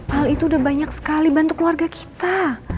hal itu udah banyak sekali bantuk warga kita